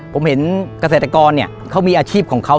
ผมเห็นเกษตรกรเนี่ยเขามีอาชีพของเขา